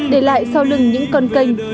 để lại sau lưng những con canh